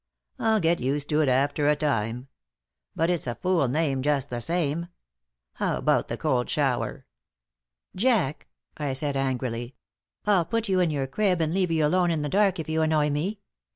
"I'll get used to it after a time. But it's a fool name, just the same. How about the cold shower?" "Jack," I said, angrily, "I'll put you in your crib and leave you alone in the dark if you annoy me.